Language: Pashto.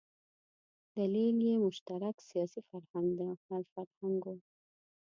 دلیل یې مشترک سیاسي فرهنګ و.